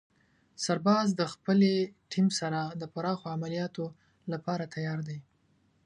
سرباز د خپلې ټیم سره د پراخو عملیاتو لپاره تیار دی.